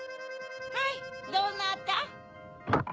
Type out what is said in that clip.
・はいどなた？